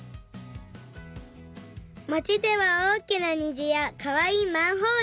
まちではおおきなにじやかわいいマンホール。